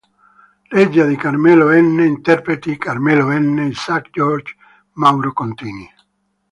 Regia di Carmelo Bene, interpreti: Carmelo Bene, Isaac George, Mauro Contini.